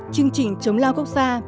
chương trình chống lao quốc gia